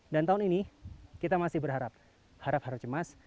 dan tahun ini kita masih berharap harap haru cemas